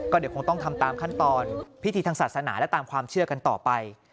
เดี๋ยวคงต้องทำตามขั้นตอนพิธีทางศาสนาและตามความเชื่อกันต่อไป